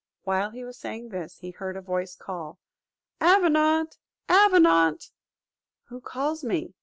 While he was saying this, he heard a voice call "Avenant, Avenant!" "Who calls me?"